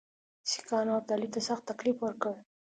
سیکهانو ابدالي ته سخت تکلیف ورکړ.